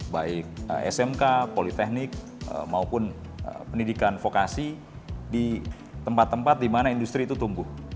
baik smk politeknik maupun pendidikan vokasi di tempat tempat di mana industri itu tumbuh